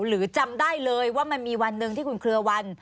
หรือจำได้เลยว่ามันมีวันหนึ่งที่คุณเครือวัน